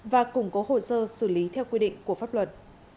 và củng cố hồ sơ xử lý theo quy định của pháp luật